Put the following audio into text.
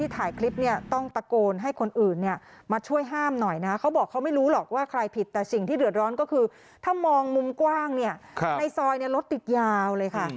แต่สิ่งที่เหลือร้อนก็คือถ้ามองมุมกว้างในซอยรถติดยาวเลยค่ะ